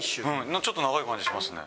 ちょっと長い感じしますね。